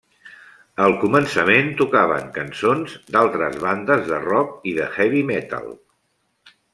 Al començament tocaven cançons d'altres bandes de rock i de heavy metal.